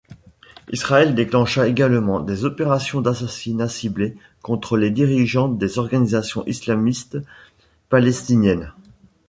Israël déclencha également des opérations d'assassinats ciblés contre les dirigeants des organisations islamistes palestiniennes.